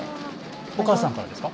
お母さんからですか？